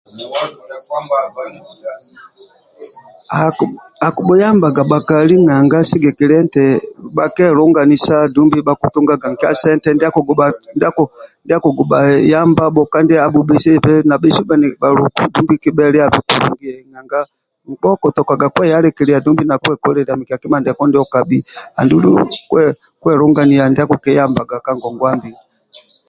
Akibhuyambaga bhakali nanga bhakali nanga sigikilia eti bhakelunganisa dumbi bhakitungaga mikia sente ndia akukugubha yambabho kandi abhubhesiabe nabha bhesu bhaluku dumbi kibhelaibe nanga nkpa okutokaga kweyalikilia dumbi nakwekolilia mikia kima ndiako ndio okabhio andulu kwelungania ndia akikiyambaga ka ngongwa mbili